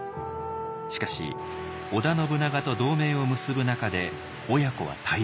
しかし織田信長と同盟を結ぶ中で親子は対立。